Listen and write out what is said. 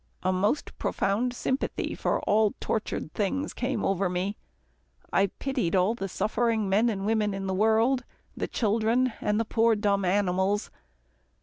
A most profound sympathy for all tortured things came over me. I pitied all the suffering men and women in the world, the children, and poor dumb animals.